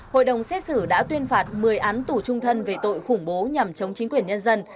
hội đồng xét xử đã tuyên phạt một mươi án tù trung thân về tội khủng bố nhằm chống chính quyền nhân dân